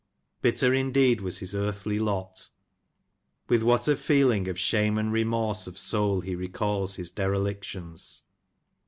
Bitter, indeed, was his earthly lot 1 With what a feeling of shame and remorse of soul he recalls his derelictions